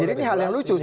jadi ini hal yang lucu